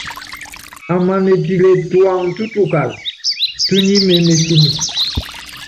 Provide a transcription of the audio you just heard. Amana etile tuáŋtutukála, túnyími émesine.